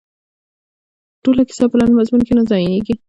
ټوله کیسه په لنډ مضمون کې نه ځاییږي.